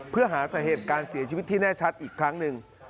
เพื่อหาสาเหตุการเสียชีวิตที่แน่ชัดอีกครั้งหนึ่ง